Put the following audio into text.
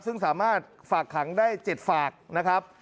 ซึ่งสามารถฝากขังได้๗ฝากนะครับ